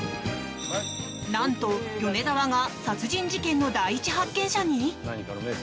なんと、米沢が殺人事件の第一発見者に？